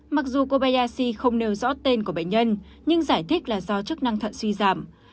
mặc dù kobayashi không nêu rõ tên của bệnh nhân nhưng giải thích là do chức năng thận suy giảm